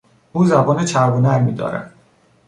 او زبان چرب و نرمی دارد.